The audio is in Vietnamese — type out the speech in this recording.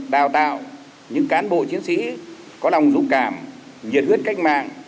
đào tạo những cán bộ chiến sĩ có lòng dũng cảm nhiệt huyết cách mạng